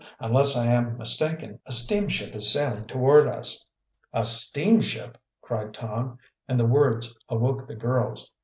"Unless I am mistaken a steamship is sailing toward us!" "A steamship!" cried Tom, and the words awoke the girls.